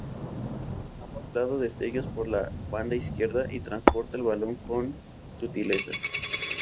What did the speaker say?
Ha mostrado destellos por la banda izquierda y transporta el balón con sutileza.